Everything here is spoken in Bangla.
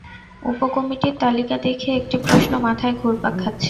উপকমিটির তালিকা দেখে একটি প্রশ্ন মাথায় ঘুরপাক খাচ্ছে।